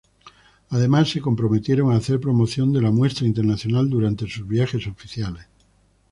Además se comprometieron a hacer promoción de la muestra internacional durante sus viajes oficiales.